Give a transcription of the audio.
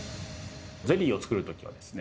ゼリーを作る時はですね